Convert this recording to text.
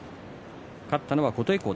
勝ったのは琴恵光。